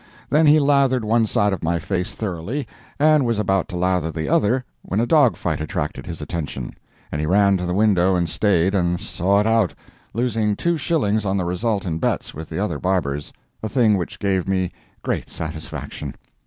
Then he lathered one side of my face thoroughly, and was about to lather the other, when a dog fight attracted his attention, and he ran to the window and stayed and saw it out, losing two shillings on the result in bets with the other barbers, a thing which gave me great satisfaction.